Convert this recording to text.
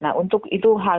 nah untuk itu hal